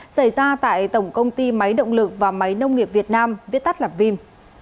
xảy ra tại tổng công ty máy động lực và máy nông nghiệp việt nam viết tắt là vim